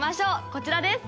こちらです。